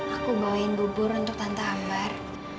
aku bawain bubur untuk tante hambar